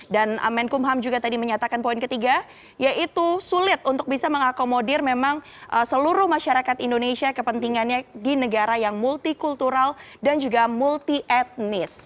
dan amenkum ham juga tadi menyatakan poin ketiga yaitu sulit untuk bisa mengakomodir memang seluruh masyarakat indonesia kepentingannya di negara yang multikultural dan juga multietnis